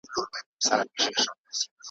مغني پر رباب وغځوه گوتې.